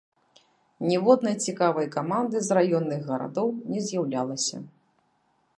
Ніводнай цікавай каманды з раённых гарадоў не з'яўлялася.